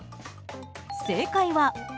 正解は。